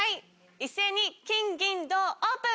一斉に金銀銅オープン！